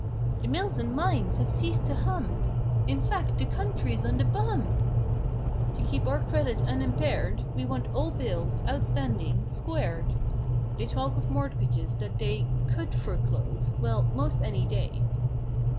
"The mills and mines have ceased to hum!!!!" "In fact, the country's on the bum!!!!!" "To keep our credit unimparied We want all bills, out standing, squared." They talk of mortgages that they Could foreclose—^well, most any day.